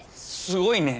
すごいね。